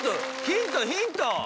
ヒントヒント。